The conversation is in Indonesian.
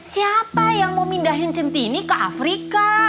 siapa yang mau pindahin centini ke afrika